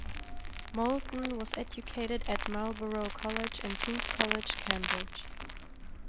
Moulton was educated at Marlborough College and King's College, Cambridge.